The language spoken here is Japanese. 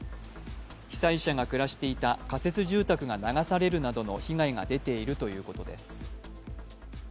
被災者が暮らしていた仮設住宅が流されるなどの被害が出ているということです。